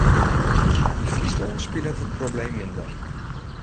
Yn Fryslân spilet dat probleem minder.